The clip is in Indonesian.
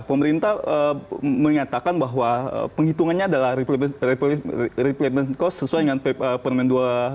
pemerintah menyatakan bahwa penghitungannya adalah replacement cost sesuai dengan permen dua puluh delapan dua ribu tujuh belas